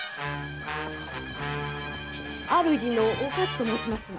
主のお勝と申します。